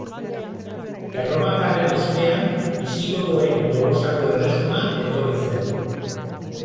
Erromatarren ostean bisigodoen Tolosako erresuma etorri zen.